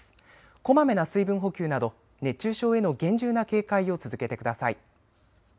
こまめな水分補給など熱中症への厳重な警戒を続けてください。